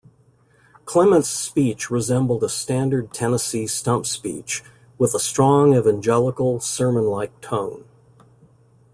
Clement's speech resembled a standard Tennessee stump speech, with a strong evangelical, sermon-like tone.